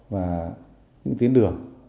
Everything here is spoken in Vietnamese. và những tuyến đường